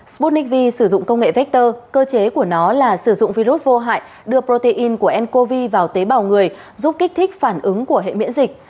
sputnik v sử dụng công nghệ vector cơ chế của nó là sử dụng virus vô hại đưa protein của ncov vào tế bào người giúp kích thích phản ứng của hệ miễn dịch